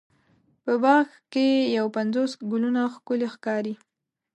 په باغ کې یو پنځوس ګلونه ښکلې ښکاري.